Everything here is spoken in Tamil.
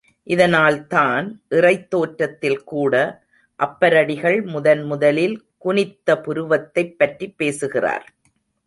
இதனால்தான், இறைத் தோற்றத்தில்கூட அப்பரடிகள் முதன் முதலில் குனித்த புருவத்தைப் பற்றிப் பேசுகிறார்.